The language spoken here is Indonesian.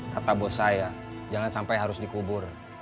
kata bos saya jangan sampai harus dikubur